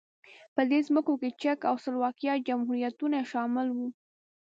په دې ځمکو کې چک او سلواکیا جمهوریتونه شامل وو.